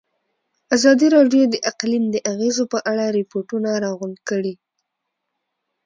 ازادي راډیو د اقلیم د اغېزو په اړه ریپوټونه راغونډ کړي.